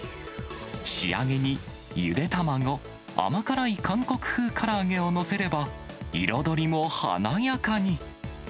仕上げにゆで卵、甘辛い韓国風から揚げを載せれば、彩りも華やかに。